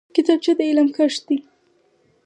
کتابچه د علم کښت دی